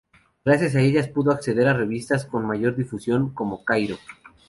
Gracias a ella, su autor pudo acceder a revistas de mayor difusión, como "Cairo".